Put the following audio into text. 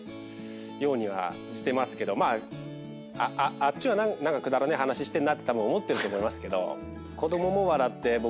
あっちはくだらねえ話してるなって思ってると思いますけど。